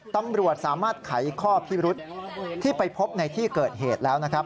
ตำรวจสามารถไขข้อพิรุษที่ไปพบในที่เกิดเหตุแล้วนะครับ